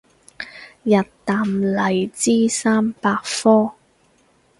日啖荔枝三百顆